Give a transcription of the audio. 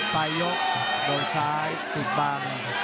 ไปยกโดนซ้ายติดบัง